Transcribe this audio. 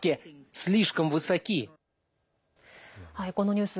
このニュース